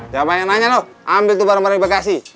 jangan nanya loh ambil tuh barang barang di bekasi